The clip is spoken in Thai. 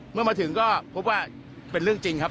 เมื่อมาถึงก็พบว่าเป็นเรื่องจริงครับ